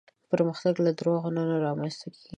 پرمختګ له دروغو نه رامنځته کېږي.